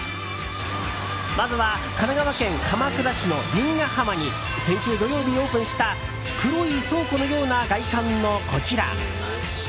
まずは神奈川県鎌倉市の由比ガ浜に先週土曜日にオープンした黒い倉庫のような外観のこちら。